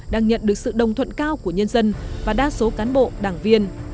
đang nhận được sự đồng thuận cao của nhân dân và đa số cán bộ đảng viên